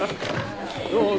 どうぞ。